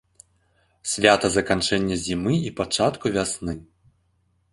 Свята заканчэння зімы і пачатку вясны.